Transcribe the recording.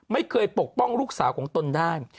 ไม่เคยปกป้องลูกสาวของตนได้